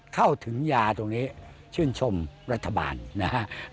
เข้าถึงยาตรงนี้ชื่นชมรัฐบาลนะครับ